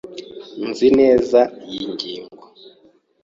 Nzi neza iyi ngingo.